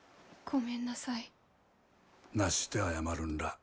ごめんなさい。